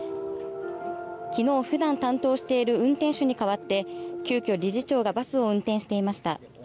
きのうはふだん担当している運転手に代わって急きょ理事長がバスを運転していました。